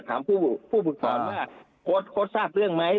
ถามผู้ฝึกสอนว่าโค้ดโค้ดทราบเรื่องไหม